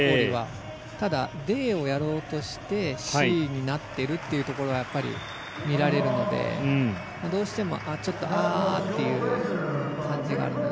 ただ、ＤをやろうとしてＣになっているところが見られるのでどうしても、ああという感じがあります。